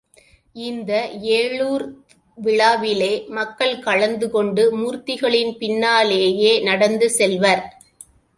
இந்த ஏழூர் விழாவிலே மக்கள்கலந்து கொண்டு மூர்த்திகளின் பின்னாலேயே நடந்து செல்வர்.